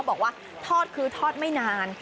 บอกว่าทอดคือทอดไม่นาน